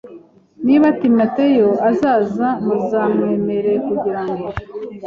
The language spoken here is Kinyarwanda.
Niba Timoteyo azaza muzamwemere kugira ngo